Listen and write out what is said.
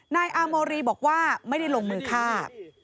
นายอาโมรีบอกว่าไม่ได้ลงมือฆ่า